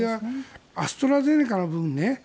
アストラゼネカの部分ね。